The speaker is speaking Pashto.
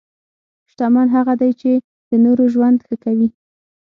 شتمن هغه دی چې د نورو ژوند ښه کوي.